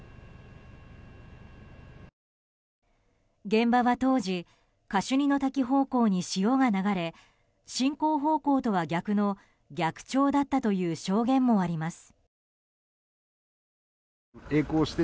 現場は当時カシュニの滝方向に潮が流れ、進行方向とは逆の逆潮だったという証言もあります。